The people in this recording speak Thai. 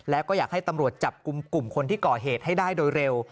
แล้วก็อยากให้ตำรวจจับกลุ่มกลุ่มคนที่ก่อเหตุให้ได้โดยเร็ว